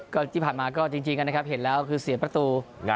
ก็ที่ผ่านมาก็จริงนะครับเห็นแล้วคือเสียประตู